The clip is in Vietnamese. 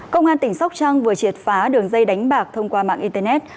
công an tỉnh sóc trăng vừa triệt phá đường dây đánh bạc thông qua mạng internet